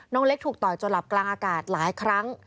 น้องเล็กถูกต่อยจนหลับกลางอากาศหลายครั้ง